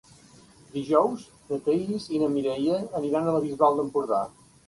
Dijous na Thaís i na Mireia aniran a la Bisbal d'Empordà.